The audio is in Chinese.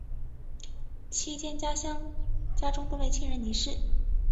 期间家中多位亲人离世。